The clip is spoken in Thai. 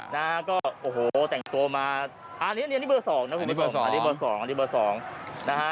นะฮะก็โอ้โหแต่งตัวมาอันนี้อันนี้เบอร์สองนะคุณผู้ชมอันนี้เบอร์สองอันนี้เบอร์สองนะฮะ